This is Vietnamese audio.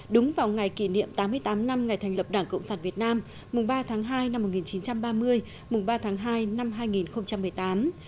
đúng vào ngày kỷ niệm tám mươi tám năm ngày thành lập đảng cộng sản việt nam mùng ba tháng hai năm một nghìn chín trăm ba mươi mùng ba tháng hai năm hai nghìn một mươi tám